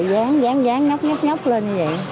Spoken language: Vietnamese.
dán dán dán nhóc nhóc nhóc lên như vậy